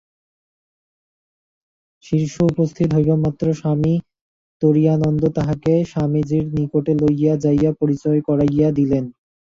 শিষ্য উপস্থিত হইবামাত্র স্বামী তুরীয়ানন্দ তাহাকে স্বামীজীর নিকটে লইয়া যাইয়া পরিচয় করাইয়া দিলেন।